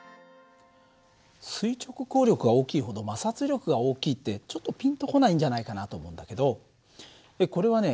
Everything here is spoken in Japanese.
垂直抗力が大きいほど摩擦力が大きいってちょっとピンと来ないんじゃないかなと思うんだけどこれはね